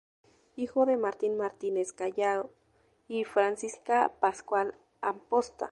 Hijo de Martín Martínez Callao y Francisca Pascual Amposta.